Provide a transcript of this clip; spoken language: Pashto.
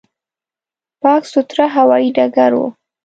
پاک، سوتره هوایي ډګر و.